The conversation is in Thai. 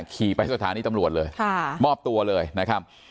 ขี่ไปศัพท์ฐานิสนัดรวจเลยมอบตัวเลยครับ